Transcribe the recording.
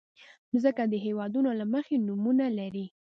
مځکه د هېوادونو له مخې نومونه لري.